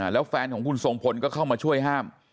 แล้วแฟนของคุณทรงพลก็เข้ามาช่วยห้าม